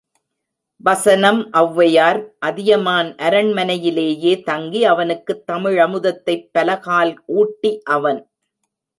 வசனம் ஒளவையார் அதியமான் அரண்மனையிலேயே தங்கி, அவனுக்குத் தமிழமுதத்தைப் பலகால் ஊட்டி அவன்.